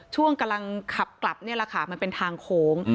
ช่วงกำลังขับกลับนี่แหละค่ะมันเป็นทางโค้ง